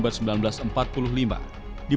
perang tu amat belilah perang